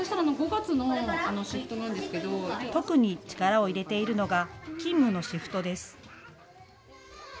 特に力を入れているのが勤務のシフトです。